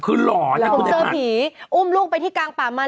ผมเจอผีอุ้มลูกไปที่กลางป่ามัน